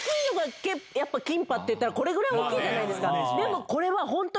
やっぱキンパっていったらこれぐらい大きいじゃないですか。